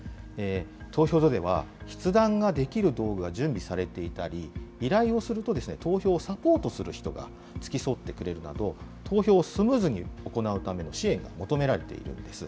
投票所では、筆談ができる道具が準備されていたり、依頼をすると投票をサポートする人が付き添ってくれるなど、投票をスムーズに行うための支援が求められているんです。